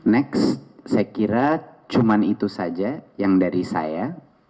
next saya kira cuma itu saja yang dari saya